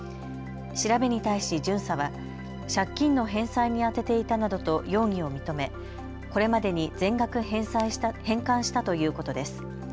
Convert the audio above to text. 調べに対し巡査は借金の返済に充てていたなどと容疑を認めこれまでに全額返還したということです。